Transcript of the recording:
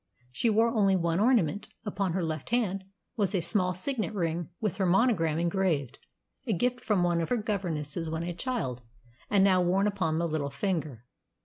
She wore only one ornament upon her left hand was a small signet ring with her monogram engraved, a gift from one of her governesses when a child, and now worn upon the little finger.